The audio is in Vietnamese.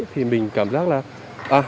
thì mình cảm giác là